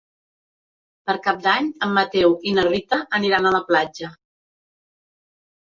Per Cap d'Any en Mateu i na Rita aniran a la platja.